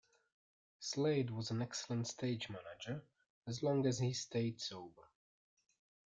Slade was an excellent stage manager as long as he stayed sober.